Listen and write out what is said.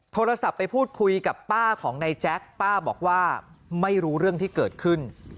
โทรศัพท์ไปพูดคุยกับป้าของนายแจ๊คป้าบอกว่าไม่รู้เรื่องที่เกิดขึ้น